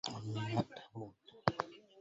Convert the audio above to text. والميناء تابوتٌ